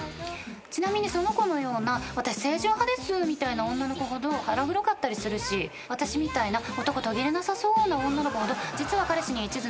ちなみにその子のような「私清純派です」みたいな女の子ほど腹黒かったりするし私みたいな男途切れなさそうな女の子ほど実は彼氏にいちずなの。